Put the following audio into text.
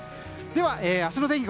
では明日の天気